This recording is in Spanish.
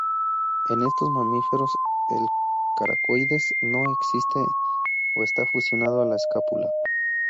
En estos mamíferos, el coracoides no existe o está fusionado a la escápula.